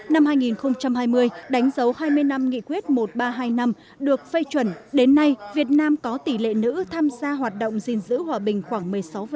năm hai nghìn hai mươi đánh dấu hai mươi năm nghị quyết một nghìn ba trăm hai mươi năm được phê chuẩn đến nay việt nam có tỷ lệ nữ tham gia hoạt động gìn giữ hòa bình khoảng một mươi sáu